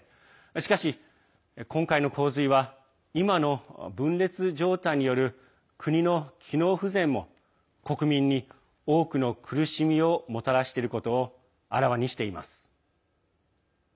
しかし、今回の洪水は今の分裂状態による国の機能不全も国民に多くの苦しみをもたらしていることをあらわにしています。